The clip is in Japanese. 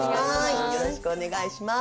よろしくお願いします。